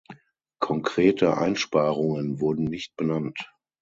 Konkrete Einsparungen wurden nicht benannt.